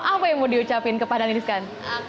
apa yang mau diucapin ke pak andah hanis kan